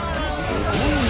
すごいな。